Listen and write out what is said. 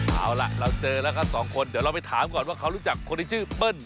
เอาล่ะเราเจอแล้วครับสองคนเดี๋ยวเราไปถามก่อนว่าเขารู้จักคนที่ชื่อเปิ้ล